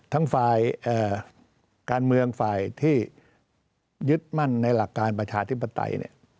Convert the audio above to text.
ทั้งฝ่ายการเมืองฝ่ายที่ยึดมั่นในหลักการประชาธิปไตย